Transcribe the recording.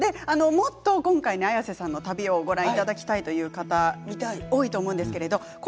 もっと綾瀬さんの旅をご覧になりたいという方多いと思います。